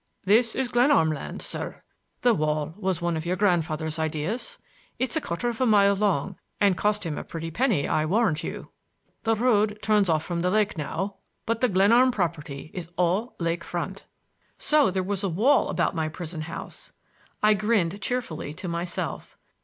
"This is Glenarm land, sir. The wall was one of your grandfather's ideas. It's a quarter of a mile long and cost him a pretty penny, I warrant you. The road turns off from the lake now, but the Glenarm property is all lake front." So there was a wall about my prison house! I grinned cheerfully to myself.